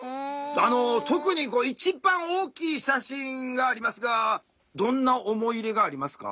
特に一番大きい写真がありますがどんな思い入れがありますか？